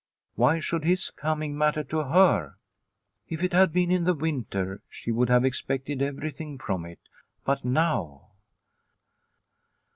Why should his coming matter to her ? If it had been in the winter she would have expected everything from it, but now